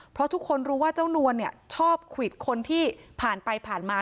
เพราะทุกคนรู้ว่าเจ้านวลเนี่ยชอบควิดคนที่ผ่านไปผ่านมา